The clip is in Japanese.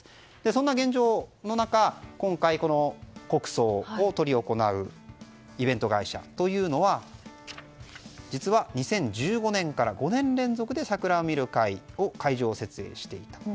そんな現状の中、今回国葬を執り行うイベント会社というのは実は２０１５年から５年連続で桜を見る会を設営していたと。